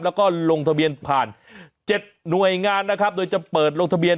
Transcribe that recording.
แล้วก็ลงทะเบียนผ่าน๗หน่วยงานนะครับโดยจะเปิดลงทะเบียน